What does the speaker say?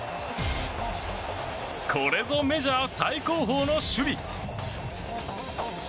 これぞメジャー最高峰の守備。